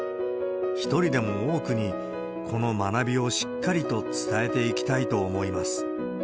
一人でも多くに、この学びをしっかりと伝えていきたいと思います。